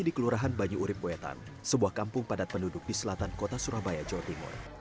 di kelurahan banyu urib goetan sebuah kampung padat penduduk di selatan kota surabaya jawa timur